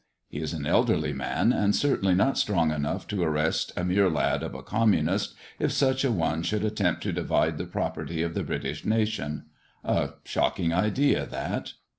He is an elderly man, and certainly not strong enough to arrest a mere lad of a communist, if such a one would attempt to divide the property of the British nation. A shocking idea, that!